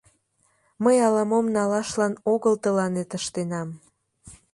— Мый ала-мом налашлан огыл тыланет ыштенам.